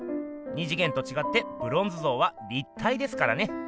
二次元とちがってブロンズ像は立体ですからね。